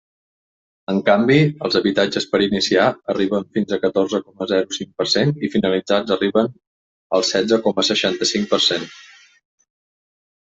En canvi, els habitatges per iniciar arriben fins a un catorze coma zero cinc per cent i els finalitzats arriben al setze coma seixanta-cinc per cent.